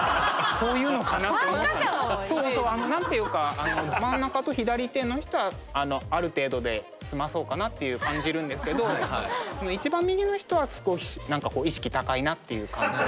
そうそう何ていうか真ん中と左手の人はある程度で済まそうかなっていう感じるんですけど一番右の人は少し何かこう意識高いなっていう感じ。